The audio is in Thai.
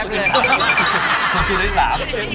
ลงสูญสุดได้๓เหรียญ